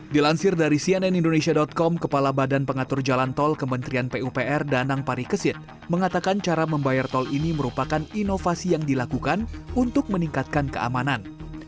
dilansir dari cnn indonesia com kepala badan pengatur jalan tol kementerian pupr danang parikesit mengatakan cara membayar tol ini merupakan inovasi yang dilakukan untuk meningkatkan keamanan